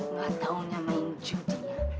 nggak taunya main judi ya